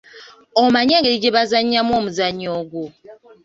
Omanyi engeri gye bazannyamu omuzannyo ogwo?